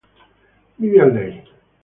V. Leigh.